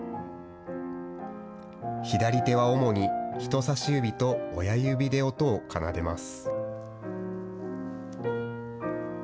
左手は主に人さし指と親指で音を奏でます。